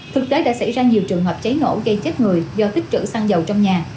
thực tế đã xảy ra nhiều trường hợp cháy nổ gây chết người do tích trữ xăng dầu trong nhà